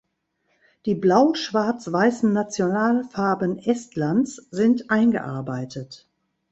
Die blau-schwarz-weißen Nationalfarben Estlands sind eingearbeitet.